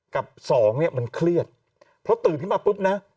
กับ๒มันเครียดเพราะตื่นที่มาปุ๊บนะ